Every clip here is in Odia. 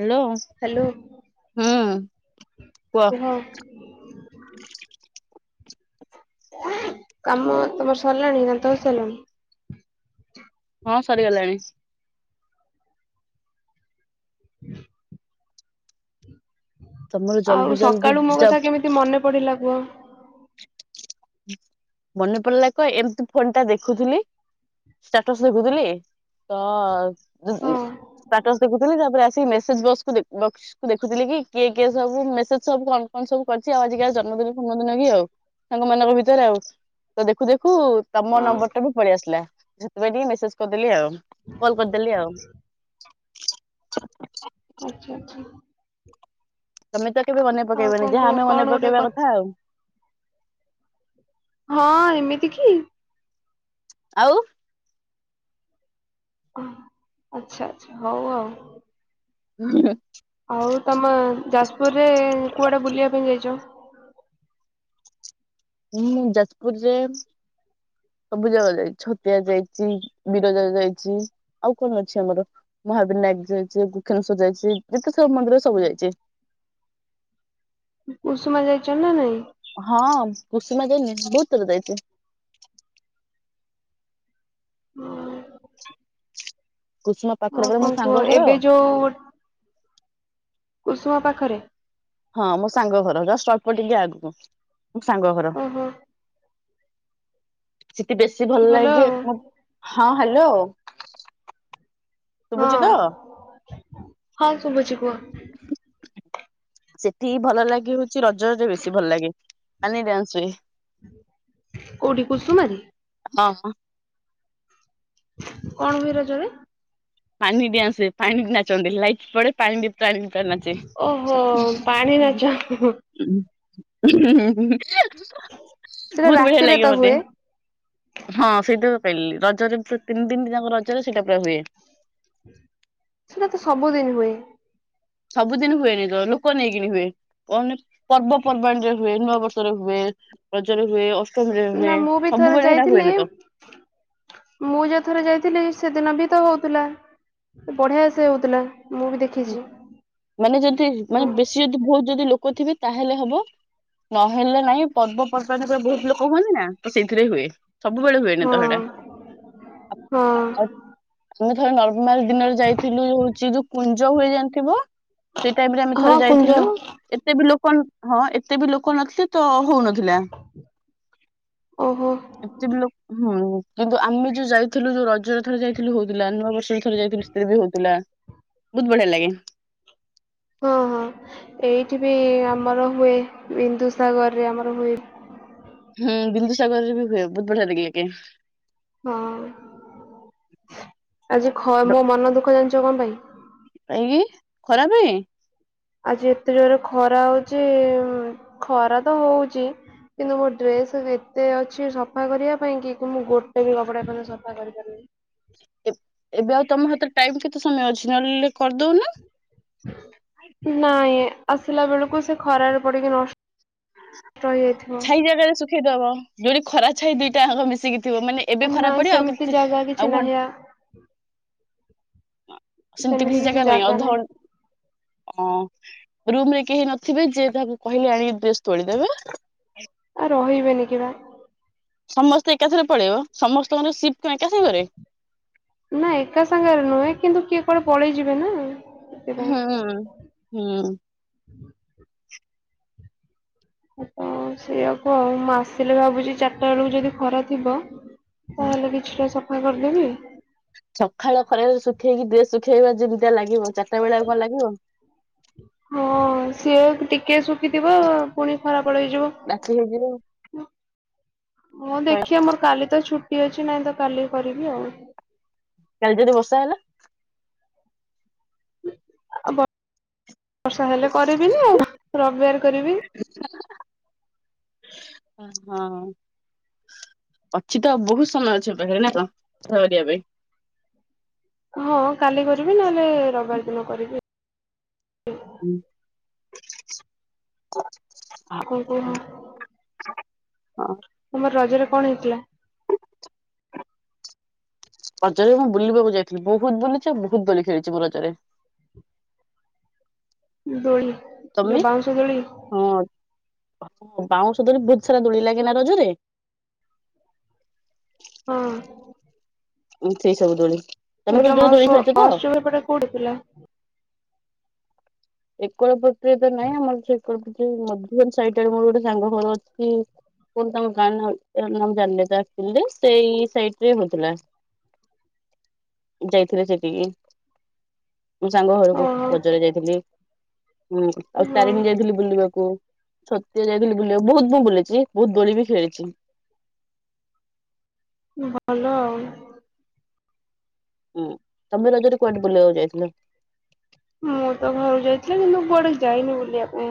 ହ୍ୟାଲୋ ହଁ। ହ୍ୟାଲୋ କୁହ? କାମ ତମର ସରିଲାଣି ଦାନ୍ତ ଘସିସାରିଲଣି? ହଁ ସରିଗଲାଣି। [inaudible] ତମର ଜଲ୍ଦି ଆଉ ଜଲ୍ଦି ସକାଳୁ ମୋ ଯ କଥା କେମିତି ମନେ ପଡିଲା କୁହ? ମନେ ପଡ଼ିଲା କହ ଏମିତି ଫୋନ ଟା ଦେଖୁଥିଲି ସ୍ଟାଟସ ଦେଖୁଥିଲି ତ ହଁ ସାଟସ୍ ଦେଖୁଥିଲି ତାପରେ ଆସିକି ମେସେଜବକ୍ସ କୁଦେଖ ବକ୍ସକୁ ଦେଖୁ ଦେଖୁଥିଲ କିଏ କିଏ ସବୁ ମେସେଜ ସବୁ କଣ କଣ ସବୁ କରିଛି ଆଉ କାହା ଜନ୍ମ ସାଙ୍ଗ ମାନଙ୍କ ଭିତରେ ଆଉ ତ ଦେଖୁ ଦେଖୁ ତମ ହଁ। ନମ୍ବର ଟା ବି ପଳେଇ ଆସିଲା ସେଥିପାଇଁ ଟିକେ ମେସେଜ କରିଦେଲି ଆଉ। କଲ କରିଦେଲି ଆଉ। ଆଛା ଆଛା। ତମେ ତ କେବେ ମନେ ଆଉ ପକେଇବନି କଣ ଯାହା କୁହ ଆମେ କଣ ମନେ ଗୋଟେ ପକେଇବା କ କଥା ଆଉ। ହଁ ଏମିତି କି? ଆଉ। ଆଚ୍ଛା ଆଛା ହଉ ଆଉ। ହୁଁ। ଆଉ ତମ ଯାଜପୁରରେ କୁଆଡେ ବୁଲିବା ପାଇଁ ଯାଇଛ? ହୁଁ ଯାଜପୁରରେ ସବୁ ଜାଗ ଯାଇଛି ଛତିଆ ଯାଇଛି, ବିରଜା ଯାଇଛି ଆଉ କଣ ଅଛି ଆମର? ମହାବିନାୟକ ଯାଇ ବୁକ୍ଷଣେଶ୍ୱର ଯାଇଛି ଯେତେ ସବୁ ମନ୍ଦିର ସବୁ ଯାଇଛି। ଉଷୁମା ଯାଇଛ ନା ନାଇଁ? ହଁ କୁସିମା ଯାଇନି ବହୁତ ଥର ଯାଇଛି। କୁସୁମା ପାଖରେ ଆଉ ପରା ମୋ କଣ ସାଙ୍ଗ କୁହ ଘର ଏବେ ଯୋଉ କୁସୁମ ପାଖରେ ହଁ ମୋ ସାଙ୍ଗ ଘର ଜଷ୍ଟ ଅଳ୍ପ ଟିକେ ଆଗକୁ ମୋ ସାଙ୍ଗ ଘର ଓହୋ ସେଠି ବେଶୀ ଭଲ ଲାଗେ ହଁ ହ୍ୟାଲୋ ଆ! ହଁ ହଁ ଶୁଭୁଛି କୁହ? ସେଠି ଭଲ ଲାଗି ହଉଛି ରଜଜ ବେଶୀ ଭଲ ଲାଗେ କାନ ଡ୍ୟାନ୍ସ ହୁ କଉଠ କସୁମାରେ? କଣ ହୁଏ ରଜରେ? ପାଣି ଡିଏଆଁସେ ହୁଏ ପାଣି ନାଚତ୍ନି ଲାଇଟି ପଡେ ପାଣି ତାଣି ପା ନାଚେ ଓହୋ ପାଣି ହୁଁ ନାଚ ହୁଁ ହୁଁ। ହୁଁ ହୁଁ ହ୍ନେ। ସେଟା ବହୁତ ବଢିଆ ରାତିରେ ଲାଗିବ ତ ମତେ ହୁଏ। ହଁ ସେଇତୁ। ପାଇଲି ରଜରେ ତିନି ଦତିିନି ଯାକ ରଜରେ ସେଇଟା ପୁରା ହୁଏ। ସେଟା ତ ସବୁଦିନ ହୁଏ। ସବୁଦିନ ହୁଏନି ତ ଲୋକ ନେଇକିନି ହୁଏ ପଣି ପର୍ବପର୍ବାଣିୀରେ ହୁଏ ନୂଆ ବର୍ଷରେ ହୁଏ। ପ୍ରଚାର ହୁଏ। ଅଷ୍ଟମୀରେ ନା ହୁଏ ମୁଁ ବି ଥରେ ସବୁବେଳେ ସେଇଟା ଯାଇଥିଲି ହୁଏନି ତ। ମୁଁ ଯୋଉ ଥରେ ଯାଇଥିଲି। ସେଦିନ ବି ତ ହଉଥିଲା ସେ ବଢିଆ ସେ ହଉଥିଲା। ମୁଁ ବି ଦେଖିଛି ମାନେ ଯଦି ମାନେ ହଁ ବେଶୀ ଯଦି ବହୁତ ଯଦି ଲ ଲୋକଥିବେ ତାହେଲେ ହବ ନହେଲେ ନାଇଁ ପର୍ବପର୍ବାଣି ପରେ ବହୁତ ଲୋକ ହୁଅନ୍ତିି ନା? ତ ସେଇଥିରେ ହୁଏ ସବୁବେଳେ ହୁଏନି ହଁ। ତ ସେଇଟା। ହଁ ତମେ ଥରେ ନର୍ମମାଲ ଦିନରେ ଯାଇଥିଲୁ ହଉଛି ଯୋଉ। କୁଞ୍ଜ ହୁଏ ଯାଇଣିଥିବ ସେଇ ଟାଇମି ରେ ଆମେ ଥରେ ହଁ କୁଞ୍ଜ ଯାଇଥିଲୁ ଏତେ ବି ଲୋକ ହଁ ଏତେ ବି ଲୋକ ନଥିଲେ ତ ହଉନଥିଲା ଓହୋ ଏତେ ବି ଲୋକ ହୁଁ। କିନ୍ତୁ ଆମେ ଯୋଉ ଯାଇଥିଲୁ ଯୋଉ ରଜରେ ଥରେ ଯାଇଥିଲୁ ହଉଥିଲା ନୂଆ ବର୍ଷର ଥରେ ଯାଇଥିଲୁ ସ୍ତ୍ରୀ ବି ହଉଥିଲା। ବହୁତ ବଢିଆ ଲାଗେ। ଓ ହୋ। ଏଠି ବି ଆମର ହୁଏ ବିନ୍ଦୁସାଗରରେ ଆମର ହୁଏ। ହୁଁ ବିନ୍ଦୁ ସାଗରରେ ବି ହୁଏ ବହୁତ ବଢିଆ ଲାଗିଲ ଲ କେ। ହଁ ଆଜି ମୋ ମନ ଦୁଃଖ ଜାଣିଛ କଣ ପାଇଁ? କହିକି ଖରା ପାଇଁ। ଆଜି ଏତେ ଜୋର ଖରା ହଉଛି ଖରା ତ ହଉଛି। କିନ୍ତୁ ମୋ ଡ୍ରେସ କେତେ ଅଛି ସଫା କରିବା ପାଇଁ କି ମୁଁ ଗୋଟେ ବି କପଡା ପ ସଫା କରିପାରିଲିନି। ଏବେ ଆଉ ତମ ହାତରେ ଟାଇମ କେତେ ସମୟ ଅଛି ନହେଲେଲେ କରିଦଉନ। ନାଇଁ ଆସିଲା ବେଳକୁ ସେ ଖରାରେ ପଡିକି ନଷ୍ଟ ରହିଯାଇଥିବ। ଦବ ଯୋଉଠି ଖରା ସେ ଦିଟା ଆଙ୍କ ମିଶିକି ଥିବ ମାନେ ଏବେ ଖରାପ ନାଇଁ ପଡିବ ଆଉ ସେମିତି କିଛି ଜାଗା କିଛି ଆଉ ଘ ନାହିଁ ଆ ସେମିତି କିଛି ଜାଗା ନାହିଁ ଅଧ ଓ ରୁମ ରେ କେହି ନଥିବେ ଯିଏ ତାହାକୁ କହିଲେ ଆଣି ଡ୍ରେସ୍ ତୋଳିଦେବେ। କହିବେନି କି ବା। ସମସ୍ତେ ଏକାଥରେ ପଳେଇବ ସମସ୍ତଙ୍କର କଣ ଏକା ସାଙ୍ଗରେ ନା ଏକା ସାଙ୍ଗରେ ନୁହେଁ କିନ୍ତୁ କିଏ କୁଆଡେ ପଳେଇ ଯିବେ ନା। ସେଥିପାଇଁ ହଁ ହୁଁ। ତ ସେଇଆକୁ ଆଉ ମୁଁ ଆସିଲେ ଭାବୁଛି ଚାରିଟା ବେଳକୁ ଯଦି ଖରା ଥିବ। ତାହେଲେ କିଛିଟା ସଫା କରିଦେବି। ସକାଳ ଖରୋରେ ଶୁଖେଇକି ଡ୍ରେସ୍ ଶୁଖେଇବା ଯେମିତିଆ ଲାଗିବ। ଚାରିଟା ବେଳକୁ ଭଲ ଲାଗିବ। ହଁ ସିଏ ଟିକେ ଶୁଖିଥିବ ପୁଣି ଖରାପଲହେଇଯିବ। ରାତି ହେଇଯିବ ହଉ ଶୋଇଲା। ଦେଖିଆ ମୋର କାଲି ତ ଛୁଟି ଅଛି ନାହିଁ ତ କାଲି କରିବି ଆଉ। କାଲି ଯଦି ବସା ହେଲା। [unintelligible] ବର୍ଷା ହେଲେ କରିବି ନି ଆଉ ରବିବାର କରିବି। ହଁ। ଅଛି ତ ବହୁତ ସମୟ ଅଛି ପାଖରେ ନା ଙ୍କ ସଫା କରିବା ପାଇଁ। ହଁ କାଲି କରିବି ନହେଲେ ରବିବାର ଦିନ କରିବି ଆଉ। ହୁଁ। ଆପଣ କହ ହଁ ତମର ରଜରେ କଣ ହେଇଥିଲା? ରଜରେ ମୁଁ ବୁଲିବାକୁ ଯାଇଥିଲି ବହୁତ ବୁଲିଛି ଆଉ ବହୁତ ବଲି ଖେଳିଛି ମୋ ରଜରେ। ଦୋଳି ଯଉ ବାଉଶ ଦୋଳି! ବାଉଁ ସଧ ବହୁତ ସାରା ଦୋଳି ଲାଗେ ନା ରଜରେ ହଁ। ଉଁ ସେଇ ସବୁ ଦୂଳି। ଯ ମହୋତ୍ ମହୋତ୍ସବପଟେ କୋଉଠି ଥିଲା? ଏକ ପ୍ରକ୍ରିୟା ନା ଆମର ସେ ମଧୁବନ ସାଇଡ ଆଡେ ମୋର ଗୋଟେ ସାଙ୍ଗ ଘର ଅଛି କଣ ତାଙ୍କ ଗାଁ ନା ଜାଣିଲେ ସେଇ ସାଇଟ ରେ ହଉଥିଲା। ଯାଇଥିଲେ ସେଠିକି ମୋ ସାଙ୍ଗ ଘରକୁ ଓହୋ ଗଜରେ ଯାଇଥିଲି। ହୁଁ ଆଉ ତାରିଣୀ ହଁ। ଯାଇଥିଲି ବୁଲିବା ଚତିୟା ଯାଇଥିଲି ବୁଲ ବହୁତ ମୁଁ ବୁଲିଛି ବହୁତ ବୋଳି ବି ଖେଳିଛି। ଭଲ ଆଉ। ହୁଁ ତମେ ନଜରେ କୁଆଡେ ବୁଲିବାକୁ ଯାଇଥିଲ? ମୁଁ ତ ଘରୁକୁ ଯାଇଥିଲି କିନ୍ତୁ କୁଆଡେ ଯାଇନି ବୁଲିବାକୁ।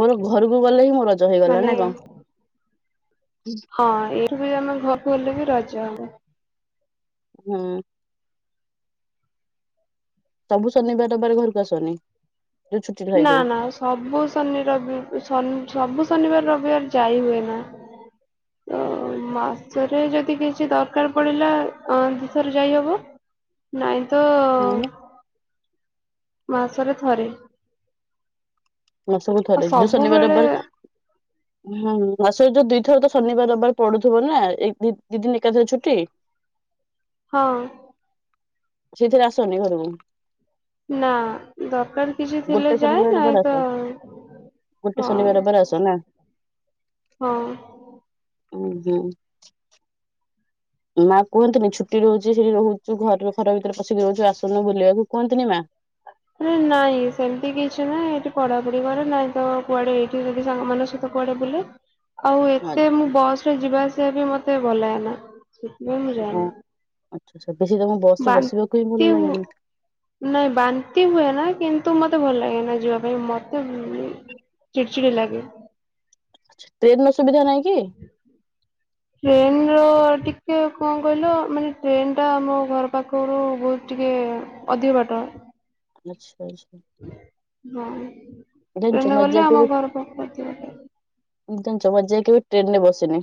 ମୋର ଘରକୁ ଗଲେ ହିଁ ମୋ ରଜ ହେଇଗଲା ନା ମାନେ କଣ? ହଁ ଏଇଠ ବି ଆମେ ଘଲେ ବି ରଜ ଆମର। ହୁଁ। ସବୁ ଶନିବାରବାର ଘରକୁ ଆସନି! ଯୋଉ ଛୁଟି ଥାଏ ନା ଯୋଉ ନା ସବୁ ଶନି ରବି ସବୁ ଶନିବାର ରବିବାର ଯାଇ ହୁଏ ନା। ତ ମାସରେ ଯଦି କିଛି ଦରକାର ପଡିଲା ଦଶରେ ଯାଇ ହବ ନାଇଁ ତ ହୁଁ। ମାସରେ ଥରେ। ମାସକୁ ଆଉ ଥରେ ଯୋଉ ଶନିବାର ସବୁବେଳେ ନମ୍ବର ହଁ ମାସ ଯୋଉ ଦି ଥର ତ ଶନିବାର ରବାର ପଡୁଥିବ ନା ଏ ଦି ଦିନ ଏକାଥରେ ଛୁଟି ହଁ। ସେଥିରେ ଆସନି ଘରକୁ? ନା ଦରକାର କିଛି ଥିଲେ ଯାଏ ନାଇଁ ତ ଗୁଟେ ହଁ ସନ ବରବର ଆସୋ ନା? ହଁ। ଓ ହୋ। ମା କୁହନ୍ତିନି ଛୁଟି ରହୁଛି ସେଠି ରହୁଛି ଘର ଘର ଭିତରେ ପଶିକି ରହୁଛୁ ଆସୁନୁ ବୁଲିବାକୁ କୁହନ୍ତିନି ମା? ନାଇଁ ସେମିତି କିଛି ନାହିଁ ଏଠି ପଡା କରିବାର ନାଇଁ ତ କୁଆଡେ ଏଇଠି ଯଦି ସାଙ୍ଗ ମାନଙ୍କ ସହିତ କୁଆଡେ ବଲେ ଆଉ ହଁ ଏତେ ମୁଁ ବସ ରେ ଯିବା ଆସିବା ବି ମତେ ଭଲ ହଏନା ସେଥିପାଇଁ ମୁଁ ହଁ ଯାଏନି। ଆଚ୍ଛା ବେଶୀ ତମ ବସ ରେ ବସିବାକୁ ହିଁ ଭଲ ବାନ୍ତି ଲାଗେନି ହ ନାଇଁ ବାନ୍ତି ହୁଏ ନା କିନ୍ତୁ ତୁ ମତେ ଭଲ ଲାଗେ ନା ଯିବା ପାଇଁ ମତେ ଚିଡି ଚିଡି ଲାଗେ ଟ୍ରେନ ନ ସୁବିଧା ନହିଁ। [unintelligible] ଟିକେ କଣ କହିଲ ମାନେ ଟ୍ରେନ୍ଟା ଆମ ଘର ପାଖରୁ ବହୁତ ଟିକେ ଅଧିକ ବାଟଣ ଆଚ୍ଛା। ହଁ ଜାଣିଛ ଟ୍ରେନ ଗଲେ ମଜା ଆମ ଘର ପାଖିବା ପାଇଁ ଏକଦମ ଜମା ଯାଇକି ଟ୍ରେନରେ ବସନି।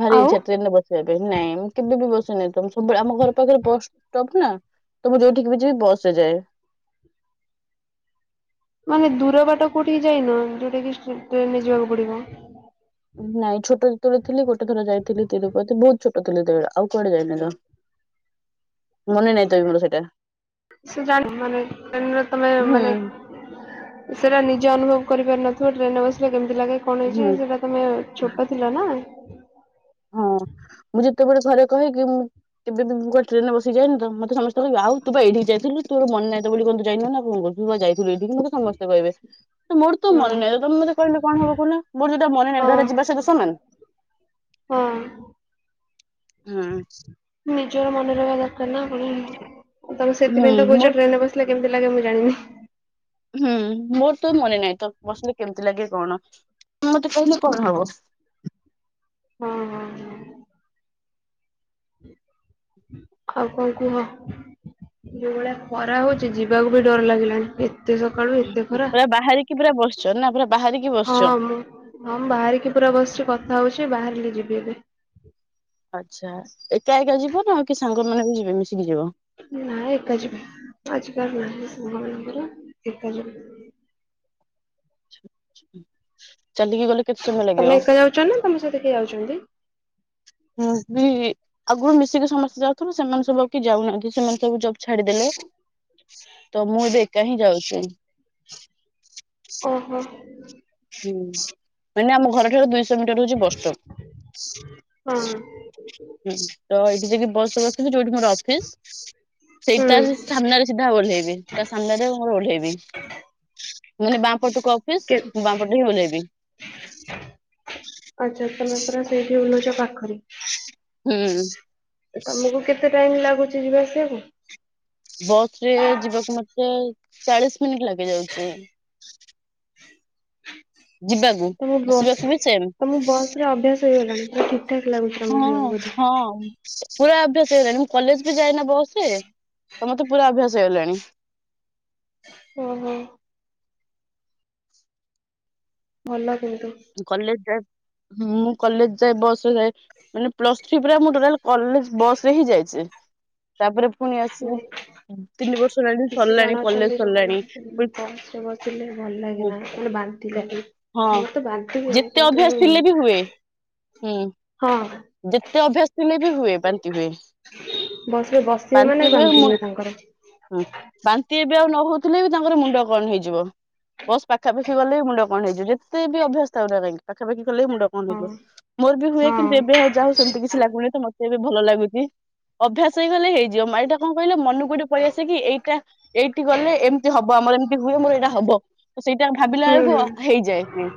ଭାରି ଆଉ ଇଛା ଟ୍ରେନ ରେ ବସିବା ପାଇଁ, ନାଇଁ ମୁ କେବେ ବି ବସିନି ତ ସବୁବେଳେ ଆମ ଘର ପାଖରେ ବସ୍ ଷ୍ଟପ ନା। ତ ମୁ ଯେଉଁଠିକି ବି ଯିବି ବସରେ ଯାଏ। ମାନେ ଦୂର ବାଟ କୋଉଠିକି ଯାଇନୁ, ଯୋଉଟା କି ଟ୍ରେନରେ ଯିବାକୁ ପଡିବ? ନାଇଁ ଛୋଟ ଯେତେବେଳେ ଥିଲି ଗୋଟେ ଥର ଯାଇ ଥିଲି ତ୍ରିପତି ବହୁତ ଛୋଟ ଥିଲି ସେତେବେଳେ, ଆଉ କୁଆଡେ ଯାଇନି ଜମା। ମନେ ନାଇଁ ତେବେରୁ ସେଟା ସେ ଜାଣି ମାନେ ଟ୍ରେନ ତମେ ମାନେ ହୁଁ ସେଇଟା ନିଜେ ଅନୁଭବ କରି ପାରିନ ଟ୍ରେନରେ ବସିଲେ କେମିତି ଲାଗେ କ'ଣ ହୁଁ ହେଇଛି ସେଇଟା ତମେ ଛୋଟ ଥିଲ ନା। ହଁ, ମୁଁ ଯେତେବେଳେ ଘରେ କହେକି ମୁ କେବେ ବି ଗୋଟେ ଟ୍ରେନରେ ବସିି ଯାଇନି ତ ମତେ ସମସ୍ତେ ତର ଆଉ ତୁ ଵା ଏଠିକି ଯାଇଥିଲୁ, ତୋର ମନ ନାହି ଏତେ ବଳି ଏପର୍ଯନ୍ତ ଯାଇନୁ ନା କ'ଣ କରୁଛୁ? ତୁ ଵା ଯା ପୁରେଇବି କିନ୍ତୁ ମତେ ସମସ୍ତେ କହିବେ। ମୋର ତ ହଁ ମନେ ନାହିଁ, ତମେ ମତେ କହିଲେ କଣ ହବ କହୁନ? ମୋର ଯଉଟା ମନେ ନାହିଁ ହଁ ଯାହାରେ ଯିବା ସହିତ ସମାନ। ହଁ ହୁଁ ନିଜର ମନେ ରହିବା ଦରକାର ନା ପୁଣି, ତେଣୁ ସେଥିର ହୁଁ ପାଇଁ ତ ମୋ କହୁଛ ଟ୍ରେନରେ ବସିଲେ, କେମତି ଲାଗେ ମୁଁ ଜାଣିନି? ହୁଁ, ମୋର ତ ମନେ ନାହିଁ ତ ବସିଲେ କେମିତି ଲାଗେ କ'ଣ? ମତେ କହିଲେ କଣ ହବ। ହଁ ହଁ ହ। ଆଉ କଣ କୁହ? ଏ ଭଳିଆ ଖରା ହଉଛି, ଯିବାକୁ ବି ଡର ଲାଗିଲାଣି। ଏତେ ସକାଳୁ ଏତେ ଖରା। ପୁରା ବାହାରିକି ପୁରା ବସିଛ ନା ପୁରା ବାହାରିକି ହଁ ବସିଛ ମୁଁ ଆମେ ବାହାରିକି ପୁ ଭିତରେ ବସିଛି କଥା ହଉଛି, ବାହାରିଲି ଯିବି ଏବେ। ଆଚ୍ଛା, ଏକା ଏକା ଯିବନା କି ସାଙ୍ଗମାନେ ବି ଯିବେ ମିଶି। ନାଏ ଏକା ଯିବି। ଆଜିକାର ନା [inaudible] ଏକା ଯିବି। ଛ ତମେ ଏକା ଯାଉଛ ନା, ତମ ସହିତ କିଏ ଯାଉଛନ୍ତି? ମୁଁ ବି ଆଗରୁ ମିଶିକି ସମସ୍ତେ ଯାଉଥିଲୁ, ସେମାନେ ସବୁ କି ଯାଉନାହାନ୍ତି ସେମାନେ ସବୁ ଜବ୍ ଛାଡିଦେଲେ। ତ ମୁଁ ଏବେ ଏକା ହିଁ ଯାଉଛି। ଓହୋ, ହୁଁ, ମାନେ ଆମ ଘର ଠାରୁ ଦୁଇଶହ ମିଟର ହଉଛି ବସ ଷ୍ଟପ। ହଁ ହୁଁ, ତ ଏଇଠି ଯାଏକି ବସ ବସିଛି ଯୋଉଠି ମୋର ଅଫିସ। ସେଇ ହୁଁ ତାହାରି ସାମ୍ନାରେ ସିଧା ଓହ୍ଲେଇବି, ତା ସାମ୍ନାରେ ମୁଁ ଓଲ୍ହେଇବି। ପୂର୍ବକୁ କେ ଅଫିସ ବାମପଟେଇ ଓଲ୍ହେଇବି। ଆଚ୍ଛା, ତମେ ପୁରା ସେଇଠି ଓଲ୍ହଉଛ। ପାଖରେ, ହୁଁ ତମକୁ କେତେ ଟାଇମ୍ ଲା ପୁଛିକି ବସିବୁ। ବସରେ ଯିବାକୁ ମତେ ଚାଳିଶ ମିନିଟ ଲାଗେ ବସରେ ଯିବାକୁ? ତମ ବସ୍ ଆସିବାକୁ ବି ସେମ? ତମ ବସ୍ ରେ ଅଭ୍ୟାସ ହେଇଗଲାଣି ପୁରା ଠିକ ଠାକ ଲାଗୁଛି ତମକୁ ଯିବାକୁ ହଁ। ବୋଧେ। ହଁ। ପୁରା ଅଭ୍ୟାସ ହେଇଗଲାଣି, ମୁଁ କଲେଜ ବି ଯାଇନା ବସରେ ତ ମତେ ପୁରା ଅଭ୍ୟାସ ହେଇଗଲାଣି। ହୁଁ ହୁଁ ଭଲ କଲେଜ ଯାଏ ମୁଁ କଲେଜ ଯାଏ ବସରେ ମାନେ ପ୍ଲସଟୁ ପୁରା ମର ଟୋଟାଲ କଲେଜ ବସରେ ହିଁ ଯାଇଛି ତାପରେ ପୁଣି ଆସିବୁ କିନ୍ତୁ। କିଛି ଜଣ ଅଛନ୍ତି, ସରିଲାଣି ଜଗନ୍ନାଥ ପୁଣି ବସ ରେ ବସିଲେ ଭଲ ଲାଗେନା ମାନେ ହଁ ମୁଁ ତ ବାଦ୍ ଦ ନା ଯେତେ କିନ୍ତୁ, ଅଭ୍ୟାସ ଥିଲେ ବି ହୁଏ ହୁଁ ହଁ। ଯେତେ ଅଭ୍ୟାସ ଥିଲେ ବି ହୁଏ। ହ ବସ ରେ ବସିବେ ବାନ୍ତି ମାନେ ହୁଏ ମୁ ତାଙ୍କର। ହଁ ବାନ୍ତି ଏବେ ଆଉ ନ ହଉଥିଲେ ବି ତାଙ୍କର ମୁଣ୍ଡ କଣ ହେଇଯିବ। ବସ୍ ପାଖାପାଖି ଗଲେ ମୁଣ୍ଡ କଣ ହେଇଯିବ, ଯେତେ ବି ଅଭ୍ୟାସ ଉ ନା କାହିଁକି ପାଖାପାଖି ଗଲେ ମୁଣ୍ଡ କଣ ହେଇଯିବ। ମୋର ବି ହୁଏ କିନ୍ତୁ ଏବେ ହଁ ଆଉ ଯା ହ ସେମିତି କିଛି, ଲାଗୁନି ତ ମତେ ଏବେ ଭଲ ଲାଗୁଛି। ଅଭ୍ୟାସ ହେଇଗଲେ ହେଇଯିବ ମାରଟା କଣ କହିଲେ ମନକୁ ଗୋଟେ ପଳଆସ କି ଏଇଟା ଏଇଠି ଗଲେ ଏମିତି ହବ ଆଉ। ତମର ଏମିତି ହୁଏ ମୋର ଏଇଟା ହବ ତ ସେଇଟା ଭାବିଲା ହୁଁ ବେଳକୁ ହୁଁ ହେଇଯାଏ ସେ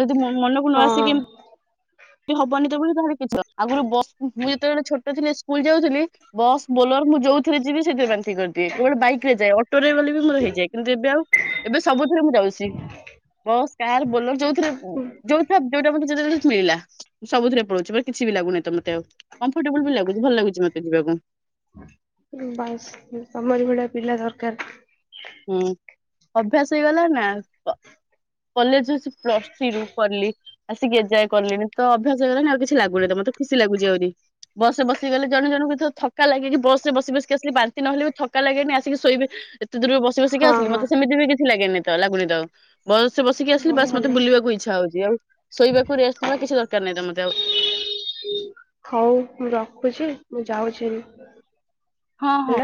ଯଦି ମନକୁ ନ ଆସ କେମତି ହଁ କି ହବନି ତ ତାଲେ କିଛି ଆଗରୁ ବ ମୁଁ, ଯେତେବେଳେ ଛୋଟ ଥିଲି ସ୍କୁଲ ଯାଉଥିଲି ବସ୍ ବୋଲ ମୁଁ ଯୋଉଥିରେ ଯିବି ସେଇଥିରେ ବାନ୍ତି କରିଦିଏ କେବଳ ବାଇକ ରେ ଯାଏ ଅଟୋରେ ବୋଲି ବି ମୋର ହେଇଯାଏ କିନ୍ତୁ ଏବେ ଆଉ ଏବେ ଥି ମୁଁ ଯାଉଛି କ ବୋର ଯୋଉ ଯଉ ଯୋଉଟା ମିଳିଲା ସବୁଥିରେ ପଳଉଛି କିଛି ବି ଲାଗୁନହିି ତ ମତେ ଆଉ କମ୍ଫର୍ଟେବୁଲ ବି ଲାଗୁଛି ଭଲ ଲାଗୁଛି ମତେ ଯିବାକୁ। ବାସ୍ ତମର ଭଳିଆ ପିଲା ଦରକାର। ହୁଁ ଅଭ୍ୟାସ ହେଇଗଲା ନା! କଲେଜ ପ୍ଲସ୍ ଥ୍ରୀ ରୁ କଲି ଆସିକି ଯାଏ କଲିଣି ତ ଅଭ୍ୟାସ କଲାଣି ଆଉ କିଛି ଲାଗୁନି ତମ ମତେ ଖୁସି ଲାଗୁଛି ଆହୁରି ବସ ରେ ବସି ଗଲେ ଜଣେ ଜଣଙ୍କୁ ଏ ଥକା ଲାଗେକି, ବସ ରେ ବସ ବସିକ ଆସିଲି ବାନ୍ତି ନହଲେ ବି ଥକା ଲାଗେନି ଆସିକି ଶୋଇବେ ଦୂରେ ବସିକି ହଁ ଆସିଲି ହଁ ମତେ ସେମିତି ବି କିଛି ଲାଗେନି ତ ଲାଗୁନି ଆଉ ବ ଆକ ଆସ ବ ବା ହଉ ମତ ଭଲ। ବୁଲକୁ ଇଛ ହଉଛି। ଆଉ ଶୋଇବାକୁ ରେ ନବା କିଛି ଦରକାର ନାହିଁ ତ ମତେ ଆଉ ହଉ ମୁଁ ରଖୁଛି ମୁଁ ଯାଉଛି ବି ହଁ ହଁ।